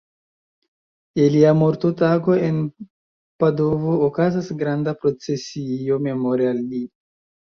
Je lia mortotago en Padovo okazas granda procesio memore al li.